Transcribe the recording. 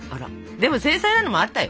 でも繊細なのもあったよ。